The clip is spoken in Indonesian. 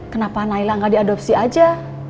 kenapa naila gak diadopsi aja